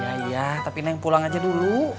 iya iya tapi neng pulang aja dulu